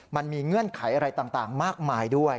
เงื่อนไขอะไรต่างมากมายด้วย